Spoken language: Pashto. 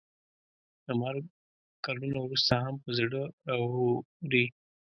له مرګ کلونه وروسته هم په زړه راووري.